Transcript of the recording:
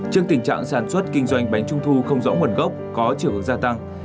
trước tình trạng sản xuất kinh doanh bánh trung thu không rõ nguồn gốc có triệu ứng gia tăng